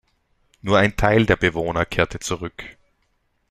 Nur ein Teil der Bewohner kehrte zurück.